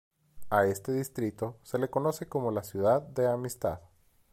A este distrito se le conoce como la Ciudad de Amistad.